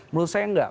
menurut saya enggak